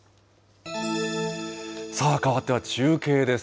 さあ、かわっては中継です。